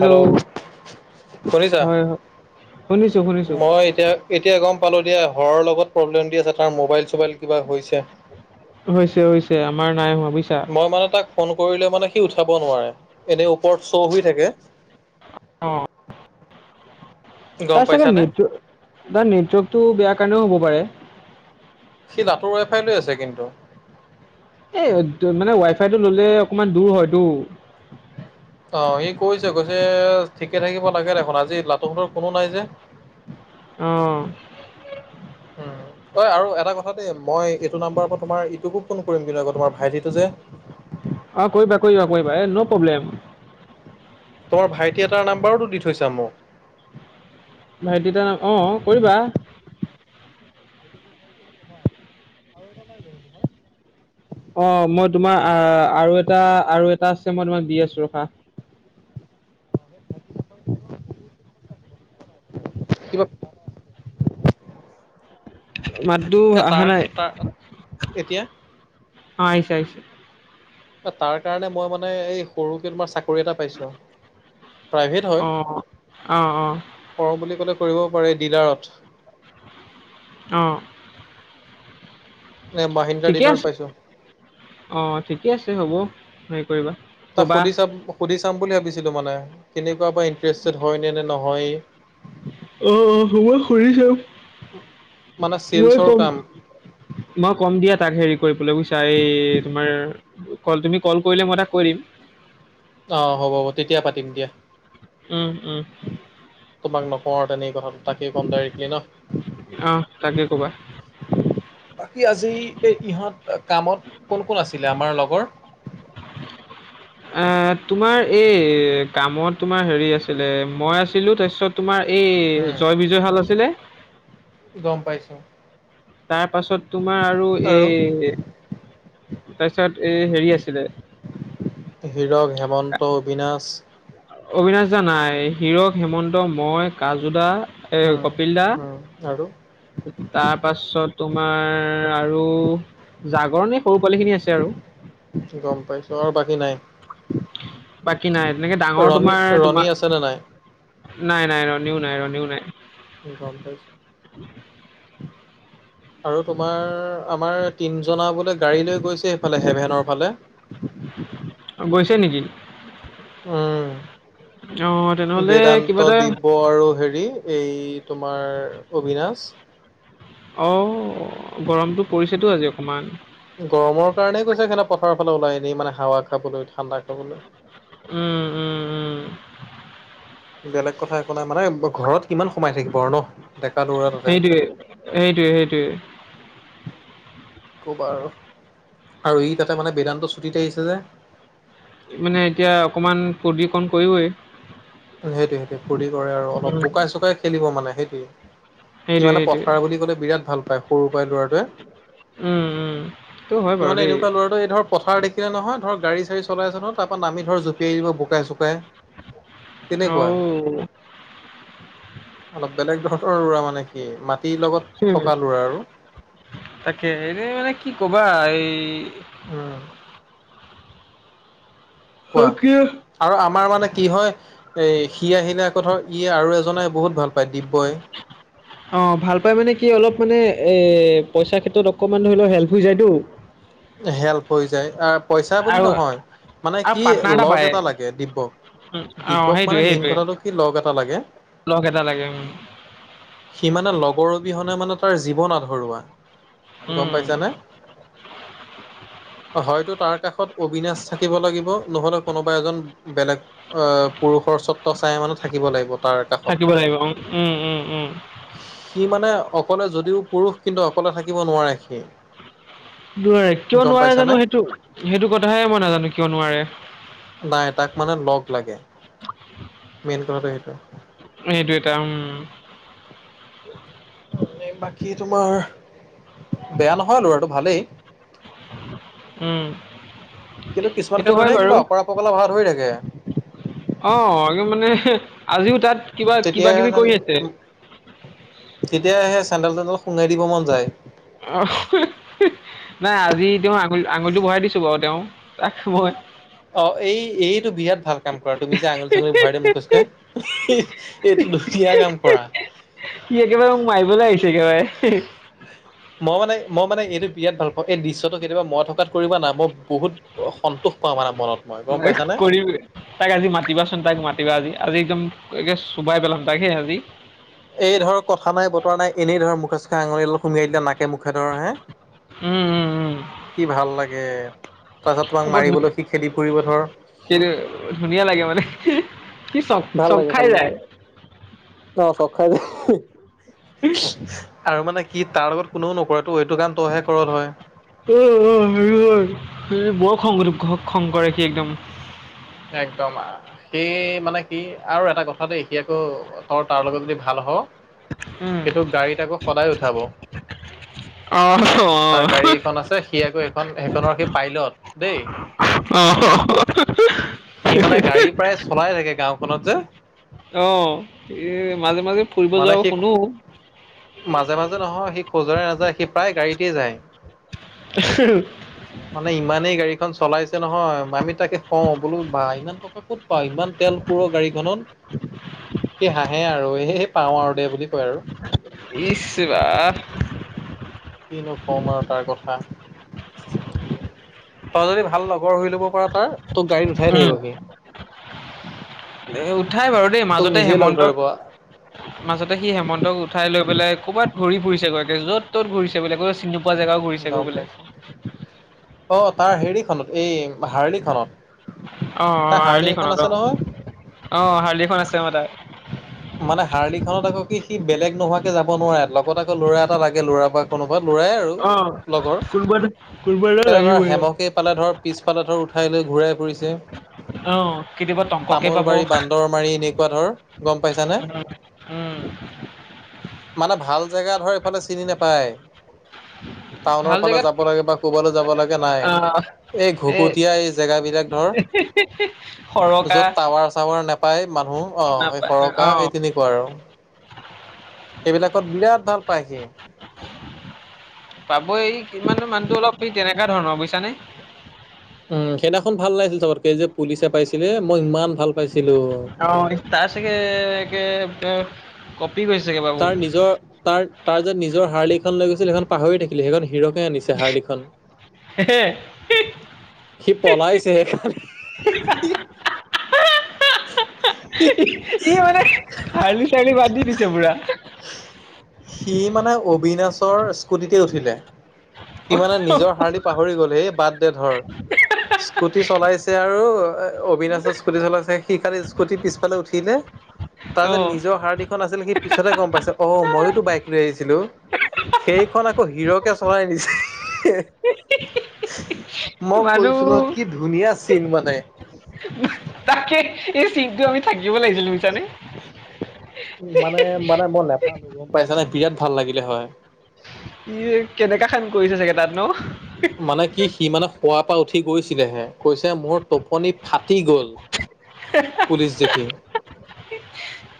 Hello শুনিছা? হয় হয় শুনিছো শুনিছো মই এতিয়া এতিয়া গম পালোঁ দিয়া হৰৰ লগত প্ৰব্লেম দি আছে তাৰ মোবাইল চবাইল কিবা হৈছে। হৈছে হৈছে আমাৰ নাই হোৱা বুইছা মই মানে তাক ফোন কৰিলে মানে সি উঠাব নোৱাৰে এনে ওপৰত শ্ব' হৈ থাকে অ গম তাৰ চাগে পাইছানে? নেটৱৰ্ক তাৰ নেটৱৰ্কটো বেয়া কাৰণেও হ'ব পাৰে সি লাটোৰ ৱাই ফাই লৈ আছে কিন্তু এই মানে ৱাই ফাই টো ললে অকমান দূৰ হয়টো অ সি কৈছে কৈছে ঠিকে থাকিব লাগে দেখোন আজি লাটোহতৰ কোনো নাই যে অ উম ঐ আৰু এটা কথা দেই মই এইটো নাম্বাৰৰ পৰা তোমাৰ ইটোকো ফোন কৰিম কিন্তু আকৌ তোমাৰ ভাইটিটো যে অ কৰিবা কৰিবা এ নো প্ৰব্লেম তোমাৰ ভাইটি এটাৰ নাম্বাৰো দি থৈছা মোক ভাইটিতাৰ অ কৰিবা অ আৰু এটা নাই জানো তোমাৰ? অ মই তোমাৰ আহ আৰু এটা আৰু এটা আছে মই তোমাক দি আছো ৰখা ন বহুত দিন হ'ল তাক লগ পোৱা নাই মই, কিবা মাততো এ আহা তাৰ নাই, তাৰ এতিয়া অ আহিছে আহিছে। তাৰ কাৰণে মই মানে এই সৰুকে তোমাৰ চাক চকৰি এটা পাইছো প্ৰায়ভেত হয়। অ অ অ কও বুলি ক'লে কৰিব পাৰি ডিলাৰত। অ', এ মহেন্দ্ৰৰ ঠিকে দিনৰ আছে পাইছো। অ, ঠিকেই আছে হ'ব হেৰি কৰিবা। তাক ক'বা সুধি চাম সুধি চাম বুলি ভাবিছিলো মানে কেনেকুৱা বা ইণ্টাৰেষ্টেড হয় নে - নে নহয়েই অ', অ', হ'বই শুদি ছাম মানে চেনচৰ কাম মই কম দিয়া তাক হেৰি কৰিবলৈ বুইছা এই তোমাৰ তুমি কল কৰিলে মই তাক কৈ দিম অ, হ'ব-হ'ব তেতিয়া পাতিম দিয়া। উম - উম। তোমাক নকও আৰু তেনে কথাটো তাকেই ক'ম ডাইৰেক্টলি অ', তাকে ন। ক'বা। বাকী আজি এই ইহঁত কামত কোন কোন আছিলে আমাৰ লগৰ এ তোমাৰ এই কামত তোমাৰ হেৰি আছিলে মই আছিলো তাৰছত তোমাৰ উম। এই জয় বিজয় হাল আছেনে। গম পাইছো। তাৰ পাছত তোমাৰ আৰু এ তাৰপিছত এ হেৰি আছিলে। হিৰক হেমন্ত অবিনাশ অবিনাশ দা নাই হিৰক হেমন্ত মই ৰাজুদা এ উম কপিল দা। উম আৰু তাৰপাছত তোমাৰ আৰু জাগৰণি সৰু পোৱালি খিনি আছে আৰু। গম পাইছো আৰু বাকী নাই। বাকী নাই তেনেকে ডাঙৰ ৰণী তোমাৰ ৰণী তোমাক আছেনে নাই নাই - নাই ৰ নিউ নাই ৰ নিউ নাই। গম পাইছো। আৰু তোমাৰ আমাৰ তিনজনা বোলে গাড়ী লৈ গৈছে সেইফালে হেভেনৰ ফালে। গৈছে নেকি? উম, অ তেনেহলে বেদান্ত কিবা এটা দিব আৰু হেৰি এই তোমাৰ অবিনাশ। অ, গৰমতটো পৰিছেতো আজি অকমান। গৰমৰ কাৰণেই কৈছে সেনা পথাৰৰ ফালে ওলাই ন মানে হাৱা খাবলৈ ঠাণ্ডা খাবলৈ। উম, উম উম বেলেগ কথা একো নাই মানে ঘৰত কিমান সোমায় থাকিব আৰু ন। ডেকা দৌৰা তাতে সেইটোৱে সেইটোৱে সেইটোৱে কবা আৰু আৰু ই তাতে মানে বেদান্ত ছুটীত আহিছে যে। মানে এতিয়া অকণমান প্ৰদূষণ কৰিবই। সেইটোৱে সেইটোৱে ফুৰ্তি কৰে আৰু উম অলপ বোকাই চোকাই খেলিব মানে সেইটোৱে। সি সেইটোৱে মানে সেইটোৱে পথাৰ বুলি ক'লে বিৰাট ভাল পায়। সৰু পৰাই ল'ৰাটোৱে উম উম সেইটো হয় সি বাৰু মানে দেই এনেকুৱা ল'ৰা ত এই ধৰ পথাৰ দেখিলে নহয় ধৰ গাড়ী চাৰী চলাইছে ন তাৰপৰা নামি ধৰ জপিয়াই দিব বুকাই চুকাই। অ', অলপ বেলেগ ধৰণৰ লৰা মানে কি মাটিৰ লগত হু থকা ল'ৰা আৰু তাকে এনে মানে কি কবা এই উম, স কোৱা [unintelligible] আৰু আমাৰ মানে কি হয় এ সি আহিলে আকৌ ধৰ ই আৰু এজনে বহুত ভাল পায় দিব্যই। অ, ভাল পাই মানে কি অলপ মানে এ পইচাৰ ক্ষেত্ৰত অকমান ধৰি লওক হেল্প হৈ যায়তো। হেল্প হৈ যায় পইচা বুলি আৰু নহয় মানে আৰু কি পাৰ্টনাৰ লগ পায় এটা লাগে দিব্যক। উম, অ দিব্যক মানে সেইটোৱে মেইন সেইটোৱে কথাটো কি লগ এটা লাগে। লগ এটা লাগে উম সি মানে লগৰ অবিহনে মানে তাৰ জীৱন আধৰুৱা, গম উম পাইছানে। হয়তো তাৰ কাষত অবিনাশ থাকিব লাগিব, নহ'লে কোনোবা এজন বেলেগ- আহ পুৰুষৰ স্বত্ব চায়া মানে থাকিব লাগিব তাৰ কাষত- থাকিব লাগিব উম উম উম। সি মানে অকলে যদিও পুৰুষ কিন্তু অকলে থাকিব নোৱাৰে সি। নোৱাৰে কিয় গম নোৱাৰে পাইছানে? জানো সেইটো সেইটো কথাহে মই নাজানো কিয় নোৱাৰে। নাই তাক মানে লগ লাগে মেইন কথাটো সেইটো। এইটো এটা উম। [inaudible] বাকী তোমাৰ বেয়া নহয় ল'ৰাটো ভালেই। উম কিন্তু কিছুমান সেইটো ক্ষেত্ৰত হয় হে বাৰু কিবা অকৰা পগলা ভাও ধৰি থাকে। অঁ এডম মানে আজিও তাত কিবা কিবা কিবি কৰি আছে। তেতিয়া সেই চেণ্ডেল তেন্দেল সুঙাই দিব মন যায়। অহ হেহ হেহ। নাই আজি তেওঁ আঙুলি আঙুলিটো বঢ়াই দিছো, বাৰু তেওঁ তাক মই- অঁ এই এইটো বিৰাট ভাল কাম কৰা তুমি যে আঙুলি চাঙুলি ভৰাই দিয়া মুখে চুখে- এইটো ধুনীয়া কাম কৰা। সি একেবাৰে মোক মাৰিবলৈ আহিছে একেবাৰে। মই মানে মই মানে এইটো বিৰাট ভাল পাওঁ এই দৃশ্যটো কেতিয়াবা মই থকাত কৰিবা না ম- বহুত সন্তোষ পাওঁ মানে মনত মই গম পাইছানে। তাইক আজি মাতিবাচোন তাইক মাতিবা আজি আজি একদম একে চোবাই পেলাম তাইক সে আজি। এই ধৰক কথা নাই বতৰা নাই এনেই ধৰ মুখে চুখে আঙুলি অলপ সুমিয়াই দিলে নাকে মুখে ধৰ হে। উম উম উম কি ভাল লাগে তাৰপিছত তোমাক বৰ ধু মাৰিবলৈ সি খেদি ফুৰিব ধৰ। সেইটো ধুনীয়া লাগে মানে সি চ চখ খাই যায়। অঁ চখ খাই য়াই, আৰু মানে, কি তাৰ লগত কোনেও নকৰেতো এইটো কাম তইহে কৰ ত হয় অ আৰু বৰ খং দু খং কৰে সি একদম। একদম আঁ। সেই মানে কি আৰু এটা কথা দেখি আকৌ তই তাৰ লগত যদি ভাল হ‌ও। সেইটো গাড়ীত আকৌ সদায় উঠাব। অঁ তাৰ গাড়ী এখন আছে সি আকৌ সেইখন সেইখনৰ সি পাইলট দেই। [unintelligible] সি মানে গাড়ী প্ৰায় চলাই থাকে গাঁওখনত যে। অঁ এই মাজে মাজে- ফুৰিব মানে যোৱা সি শুনো মাজে মাজে নহয় সি খোজৰে নাযায় সি প্ৰায় গাড়ীতে যায়। [unintelligible] মানে ইমানেই গাড়ীখন চলাইছে নহয় আমি তাকে কওঁ বোলো বা ইমান টকা ক'ত? পাও ইমান তেল পুৰ গাড়ীখনত, সেই হাঁহে আৰু এ হে- পাওঁ আৰু দে বুলি কয় আৰু। ইচ ৰা, কিনো কম আৰু তাৰ কথা। তই যদি ভাল লগৰ হৈ ল'ব পাৰ তাৰ তোক গাড়ী উঠাই থাকিব সি। এ উঠাই বাৰু দেই তোক মাজতে নিজেই লগ হেমন্তক। ধৰিব মাজতে সি হেমন্তক উঠাই লৈ পেলাই ক'বাত ঘূৰি ফুৰিছে গৈ য'ত ত'ত ঘূৰিছে বোলে কৈ- চিনি নোপোৱা জেগাও ঘূৰিচে গম গৈ বোলে। পাইছো অ তাৰ হেৰিখনত এই হাৰলিখনত। অঁ অঁ হাৰ্লি খনত অঁ হাৰ্লিখন আছে অঁ তাৰ। [unintelligible] মানে হাৰ্লি খনত আকৌ কি সি বেলেগ নোহোৱাকে যাব নোৱাৰে লগত আকৌ ল'ৰা এটা লাগে, ল'ৰা বা, কোনোবা লৰাই আৰু অ', লগৰ। কোনোবা এটা কোনোবা এটা তেনে লাগিবই ধৰ আৰু। হেমক সি পালে ধৰ, পিছপালে ধৰ উঠাই লৈ ঘূৰাই ফুৰিছে, অ কেতিয়াবা তংগকে তামোল পাব, বাৰী বান্দৰ মাৰি এনেকুৱা ধৰ, গম পাইছানে উম, উম। মানে ভাল জেগা ধৰ এইফালে চিনি নেপায়। টাউনৰ ভাল ফালে জেগাত যাব লাগে বা কোবালৈ যাব লাগে নাই, আহ এই ঘুকুটীয়া এই জেগাবলাক ধৰ, সৰকা যত টাৱাৰ চাৱাৰ নেপ পাই মানুহ অ এই নাপা সৰকা, এই অ', তেনেকুৱা আৰু। সেইবিলাকত বিৰাট ভাল পায় সি। পাবই, সি মানে মানুহটো অলপ সি তেনেকুৱা ধৰণৰ বুজিছানে? উম সেইদিনাখন ভাল লাগিছিল চবতকে, যে পুলিচে পাইছিলে মই ইমান ভাল পাইছিলো। তাৰচাগে কে, কপি গৈ চেগে তাৰ নিজৰ, তাৰ তাৰ যে নিজৰ হাৰলিখন লৈ গৈছিল সেইখন, পাহৰি থাকিল। সেইখন হিৰকে আনিছে হাৰলিখন। হেহে, সি পলাইছে সেইকাৰণে। [unintelligible] ই ই মানে, হাৰ্লি, চাৰলি বাদ দি দিছে পুৰা। সি মানে অবিনাশৰ স্কুটিতে উঠিলে, সিমানে নিজৰ হাৰলি পাহৰি গ'ল, হেই বাদ দে ধৰ। স্কুটি চলাইছে আৰু অবিনাশৰ স্কুটি চলাইছে, সি খালি স্কুটি পিছফালে উঠিলে, তাৰ অ যে নিজৰ হাৰদি খন আছিলে সি পিছতে গম পাইছে, অ মইয়োতো বাইক লৈ আহিছিলো। সেইখন আকৌ হিৰকে চলাই আহিছে। মই মানুহ কৈছো ন, কি ধুনীয়া চিন মানে। তাকে, এই চিনটো আমি থাকিব লাগিছিল বুইচানে। উ মানে, মানে মই নাপালো গম পাইছানে? বিৰাট ভাল লাগিলে হয়। ই কেনেকা খান কৰিছে চাগে তাত ন? মানে কি সি মানে শোৱাৰ পৰা উঠি গৈছিলেহে, কৈছে মোৰ টোপনি ফাটি গ'ল, পুলিচ দেখি। [unintelligible]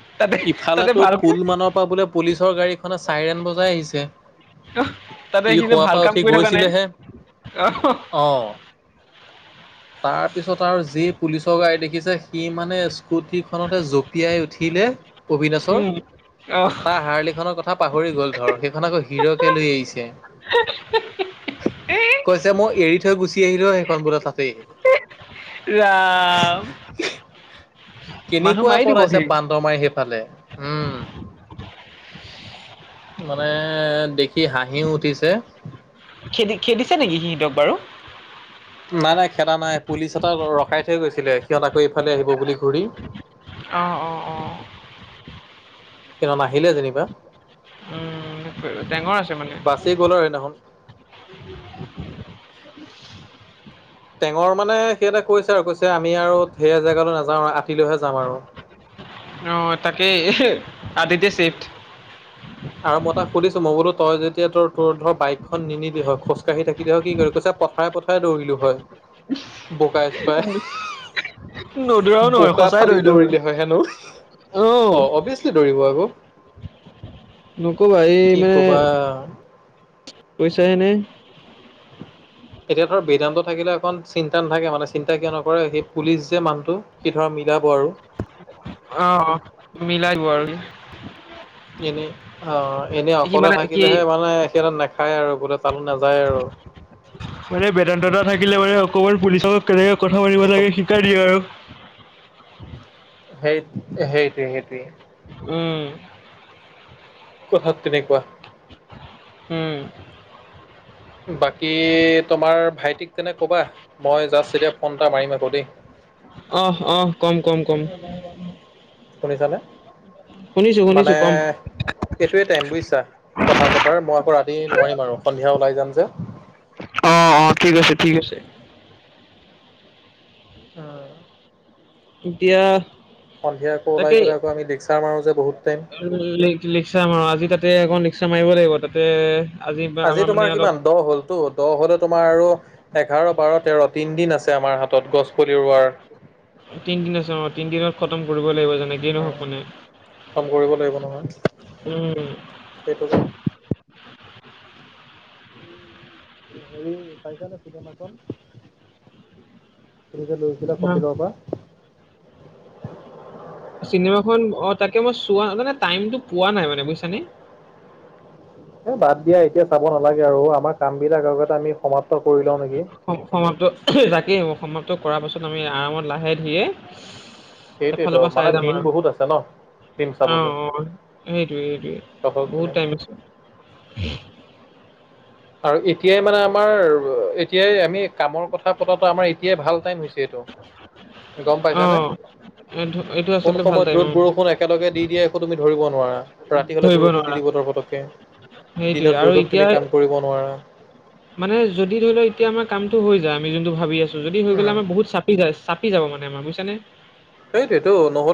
ইফালে তাতে তোৰ ভালকে পুল মানৰ পৰা বোলে, পুলিচৰ গাড়ীখনে চাইৰেন বজাই আহিছে। তাতে ই সি যে হোৱাৰ ভাল পৰা কাম উঠি কৰি থকা নাই গৈছিলেহে, অহ অঁহ। [inaudible] তাৰ পিছত আৰু যি পুলিচৰ গাড়ী দেখিছে, সি মানে স্কুটিখনতে জঁপিয়াই উঠিলে, অবিনেশ্বৰ, উম অহ তাৰ হাৰলি খনৰ ক থা পাহৰি গ'ল ধৰ, সেইখন আকৌ হিৰকে লৈ আহিছে। [inaudible] এই কৈছে, মই এৰি থৈ গুচি আহিলো সেইখন বোলে তাতেই। ৰাআম। কেনেকুৱা দিব পলাইছে সি বান্দৰ মাৰি সেইফালে, উমম। মানে দেখি হাঁহিও উঠিছে, খেদি খেদিছে নেকি সিহঁতক বাৰু? নাই নাই খেদা নাই পুলিচ এটা ৰখাই থৈ গৈছিলে, সিহঁত আকৌ এইফালে আহিব বুলি ঘূৰি। অঁ অঁ অঁ। কিন্তু নাহিলে যেনিবা! উম টেঙৰ আছে মানে। [unintelligible] সেইদিনাখন। টেঙৰ মানে সিহঁতে কৈছে আৰু কৈছে আমি আৰু সে জেগালৈ নাযাওঁ আৰু আতিলৈহে যাম আৰু। অ তাকেই এ আদিত্য চেট। আৰু মই তাক সুধিছো মই বোলো তই যদ এতিয়া তোৰ তোৰ ধৰ বাইকখন নিনিলি হয় খোজকাঢ়ি থাকিলি হয় কি কৰিলি হয়? কৈছে পথাৰে পথাৰে দৌৰিলো হয়। বোকাই-চোকাই নদৌৰাও [unintelligible] নহয় বোকা সঁচাই ফালি দৌৰিলে হয় হেনো, আহ অ অভিয়েচলি দৌৰিব আকৌ। নক'বা এই কি মানে ক'বা কৈছাহে নে? [inaudible] এতিয়া ধৰ বেদান্ত থাকিলে অকণ চিন্তা নাথাকে মানে চিন্তা কিয় নকৰে, সি পুলিচ যে মানুহটো সি ধৰা মিলাব আৰু। অ, অ মিলাইব আৰু সি। এনে অ এনে সি অকলে মানে কি থাকিলেহে মানে সিহঁতে নাখায় আৰু বোলে তালে নাযায় আৰু। মানে বেদান্তদা থাকিলে মানে অকমান পুলিচৰ লগত কেনেকে কথা পাতিব কথাত লাগে শিকাই দিয়ে আৰু। হেই হেইটোৱে, হেইটোৱে। উম। কথাত তেনেকুৱা। উম। বাকী তোমাৰ ভাইটিক তেনে ক'বা। মই জাষ্ট এতিয়া ফোন এটা মাৰিম আকৌ দেই। অহ, অহ। কম, কম, কম। [unintelligible] শুনিছা নে? শুনিছো, শুনিছো কম। এইটোৱে টাইম বুইছা কথা পতাৰ। মই আকৌ ৰাতি নোৱাৰিম আৰু সন্ধিয়া ওলাই যাম যে। অ, অ ঠিক আছে, ঠিক আছে। হয়। এতিয়া সন্ধিয়া আকৌ ওলাই গ'লে আকৌ আমি লেকচাৰ মাৰো যে বহুত টাইম। লেক-লেকচাৰ মাৰো আজি তাতে অকণ লেকচাৰ মাৰিব লাগিব। তাতে আজি আমাৰ মানে তোমাৰ অলপ কিমান দহ হ'লতো? দহ হ'লে তোমাৰ আৰু এঘাৰ, বাৰ, তেৰ তিনদিন আছে আমাৰ হাতত গছ পুলি ৰুৱাৰ। তিনদিন আছে অ তিনদিনত খতম কৰিবই লাগিব যেনেকে। [unintelligible] খতম কৰিব লাগিব নহয় সেইটোকে উম, উম। এ হেৰি চাইছানে চিনেমাখন? তুমি যে লৈ তেতিয়া উম প্ৰকৃতৰ পৰা। চিনেমাখন অ তাকে মই চোৱা মানে টাইমটো পোৱা নাই মানে বুইছানে? এ বাদ দিয়া। এতিয়া চাব নালাগে আৰু আমাৰ কামবিলাক আগতে আমি সমাপ্ত কৰি লওঁ নেকি? স-সমাপ্ত তাকেই সমাপ্ত কৰা পাছত আমি আৰামত লাহে ধিয়ে সেইটোৱেটো মানে দিন বহুত আছে ন। ফিল্ম অ, চাবলৈ অ সেইটোৱে, সেইটোৱে। বহুত টাইম আছে। আৰু এতিয়াই মানে আমাৰ এতিয়াই আমি কামৰ কথা পতাটো আমাৰ এতিয়াই ভাল টাইম হৈছে এইটো। গম অ পাইছানে? এইটো এইটো কোন আচলতে ভাল সময়ত টাইম ৰ'দ- অ বৰষুণ একেলগে দি দিয়ে একো তুমি ধৰিব নোৱাৰা। ৰাতি হ'লে ধৰিব বৰষুণ দি নোৱাৰা দিব তৰপতককে সেইটোৱে দিনত আৰু ৰ'দত এতিয়া তুমি কাম কৰিব নোৱাৰা। মানে যদি ধৰি লও এতিয়া আমাৰ কামটো হৈ যায়, আমি যোনটো ভাবি আছো যদি হৈ উম গ'লে আমাৰ বহুত চা [unintelligible] চাপি যাব মানে আমাৰ বুইছানে? সেইটোৱেটো নহ'ল